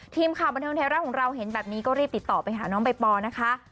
ทีมข่าวบันเทิงไทยรัฐของเราเห็นแบบนี้ก็รีบติดต่อไปหาน้องใบปอนะคะ